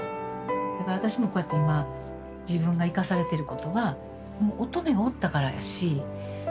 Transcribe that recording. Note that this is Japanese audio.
だから私もこうやって今自分が生かされてることはもう音十愛がおったからやし。